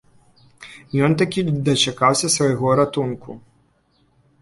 Ён такі дачакаўся свайго ратунку.